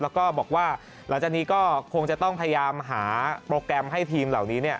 แล้วก็บอกว่าหลังจากนี้ก็คงจะต้องพยายามหาโปรแกรมให้ทีมเหล่านี้